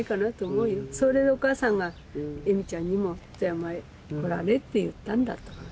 それでお母さんが恵美ちゃんにも富山へ来られって言ったんだと思う。